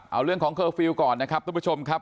เอาเรื่องของเคอร์ฟิลล์ก่อนนะครับทุกผู้ชมครับ